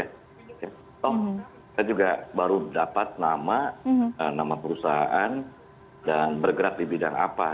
kita juga baru dapat nama perusahaan dan bergerak di bidang apa